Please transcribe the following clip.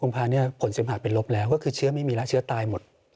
ภาเนี่ยผลเสมหาเป็นลบแล้วก็คือเชื้อไม่มีแล้วเชื้อตายหมด